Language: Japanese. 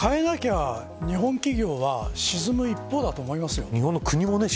変えなきゃ日本企業は沈む一方だと思います。